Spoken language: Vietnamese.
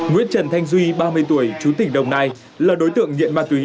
nguyễn trần thanh duy ba mươi tuổi chú tỉnh đồng nai là đối tượng nghiện ma túy